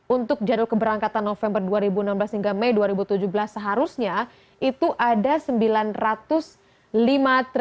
untuk jadwal keberangkatan november dua ribu enam belas hingga mei dua ribu tujuh belas seharusnya itu ada rp sembilan ratus lima triliun